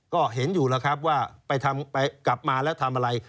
ก็เห็นอยู่แล้วครับว่ากลับมาแล้วทำอะไร